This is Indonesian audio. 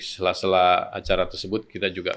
sela sela acara tersebut kita juga